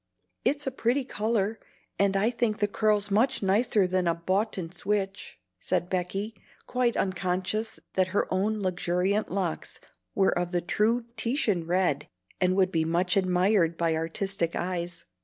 "It's a pretty color, and I think the curls much nicer than a boughten switch," said Becky, quite unconscious that her own luxuriant locks were of the true Titian red, and would be much admired by artistic eyes.